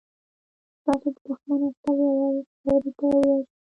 ستاسو د دښمن استازی غواړي خاورې ته درشي.